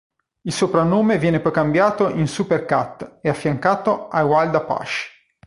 Il soprannome viene poi cambiato in "Super Cat" e affiancato a "Wild Apache".